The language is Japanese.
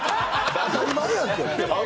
当たり前やんけ。